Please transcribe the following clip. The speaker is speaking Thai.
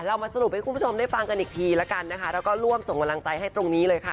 เรามาสรุปให้คุณผู้ชมได้ฟังกันอีกทีแล้วกันนะคะแล้วก็ร่วมส่งกำลังใจให้ตรงนี้เลยค่ะ